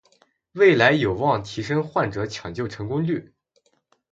未来有望提升患者抢救成功率